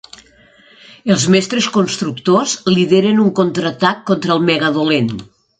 Els Mestres Constructors lideren un contraatac contra el Mega Dolent.